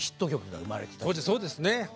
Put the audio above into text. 当時そうですね。